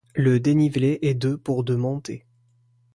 Le dénivelé est de pour de montée.